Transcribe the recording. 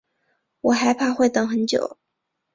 我还怕会等很久